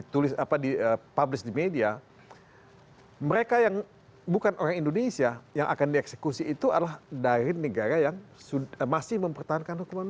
terima kasih pak